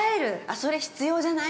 ◆それ必要じゃない？